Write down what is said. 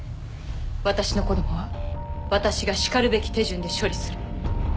私の子供は私がしかるべき手順で処理する。